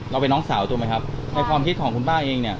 น้องเป็นน้องสาวถูกไหมครับในความคิดของคุณป้าเองเนี่ย